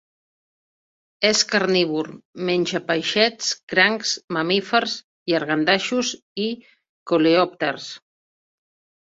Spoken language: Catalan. És carnívor: menja peixets, crancs, mamífers, llangardaixos i coleòpters.